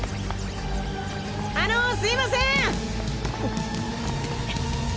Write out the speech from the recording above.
あのすみません！